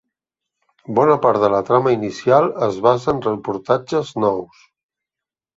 Bona part de la trama inicial es basa en reportatges nous.